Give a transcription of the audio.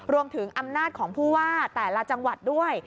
รวมถึงอำนาจของผู้ว่าแต่ละจังหวัดด้วย